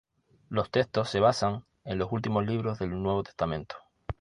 Los textos se basan en los últimos libros del Nuevo Testamento.